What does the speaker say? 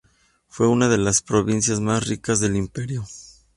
Fue una de las provincias más ricas del Imperio.